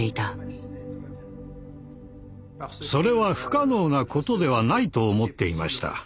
それは不可能なことではないと思っていました。